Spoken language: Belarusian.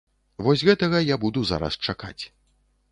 Вось гэтага я буду зараз чакаць.